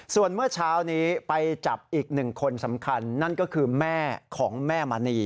ส่วนเมื่อเช้านี้ไปจับอีกหนึ่งคนสำคัญนั่นก็คือแม่ของแม่มณี